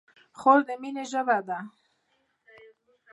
خور د مینې ژبه ده.